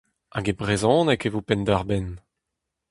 Hag e brezhoneg e vo penn-da-benn !